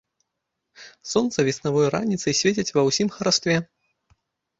Сонца веснавой раніцы свеціць ва ўсім харастве.